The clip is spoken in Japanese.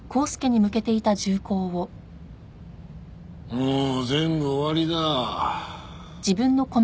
もう全部終わりだ。